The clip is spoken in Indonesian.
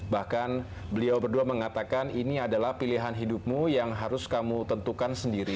bahkan beliau berdua mengatakan ini adalah pilihan hidupmu yang harus kamu tentukan sendiri